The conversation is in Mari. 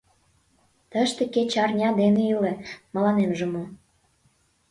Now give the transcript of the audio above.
Тыште кеч арня дене иле, мыланемже мо...